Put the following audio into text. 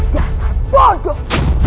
kau adalah bodoh